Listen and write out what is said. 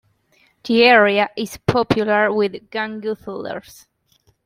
The area is popular with gongoozlers.